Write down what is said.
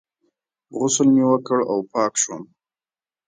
غسل مې وکړ او پاک شوم.